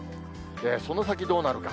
その先どうなるか。